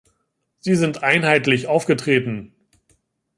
Sie sind einheitlich aufgetreten.